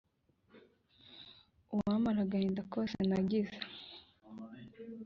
Uwamara agahinda kose nagize